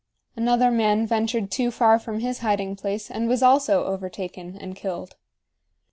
Another man ventured too far from his hiding place and was also overtaken and killed.